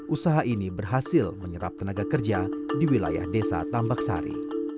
usaha ini berhasil menyerap tenaga kerja di wilayah desa tambak sari